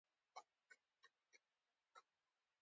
تاسو ولوېدلئ؟